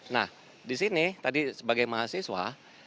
nah di sini tadi sebagai mahasiswa